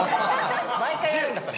毎回やるんだそれ。